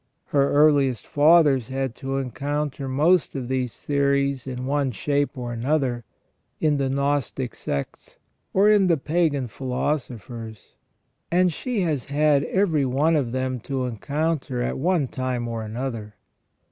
Her earliest Fathers had to encounter most of these theories in one shape or another, in the Gnostic sects, or in the pagan philosophers, and she has had every one of them to encounter at one time or another.